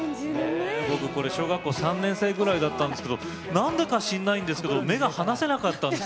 僕、これ小学校３年生ぐらいだったんですけどなんでか知んないんですけど目が離せなかったんです。